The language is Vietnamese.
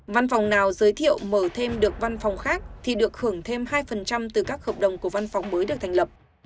văn phòng nào giới thiệu mở thêm được văn phòng khác thì được hưởng thêm hai từ các hợp đồng của văn phòng mới được thành lập